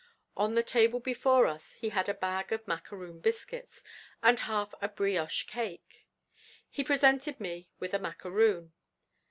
_ On the table before us he had a bag of macaroon biscuits, and half a Brioche cake. He presented me with a macaroon.